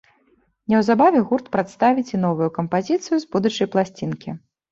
Неўзабаве гурт прадставіць і новую кампазіцыю з будучай пласцінкі.